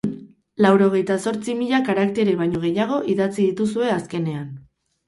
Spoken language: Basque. Laurogeita zortzi mila karaktere baino gehiago idatzi dituzue azkenean.